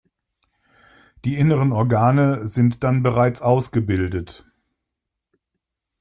Die inneren Organe sind dann bereits ausgebildet.